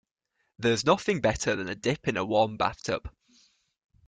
There's nothing better than a dip in a warm bathtub.